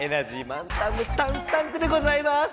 まんタンのタンスタンクでございます！